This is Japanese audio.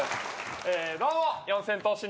どうも四千頭身です。